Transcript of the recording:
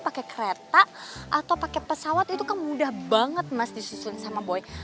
pakai kereta atau pakai pesawat itu kan mudah banget mas disusun sama boy